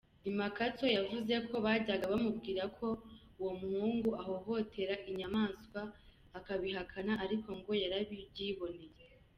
Dimakatso yavuze ko bajyaga bamubwira ko uwo muhungu ahohotera inyamaswa akabihakana, ariko ngo yarabyiboneye.